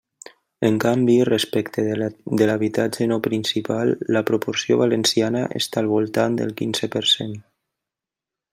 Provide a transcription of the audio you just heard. En canvi, respecte de l'habitatge no principal, la proporció valenciana està al voltant del quinze per cent.